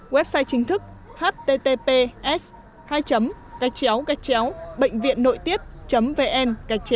website chính thức https bệnhviệnnộitiết vn